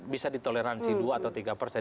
bisa ditoleransi dua atau tiga persen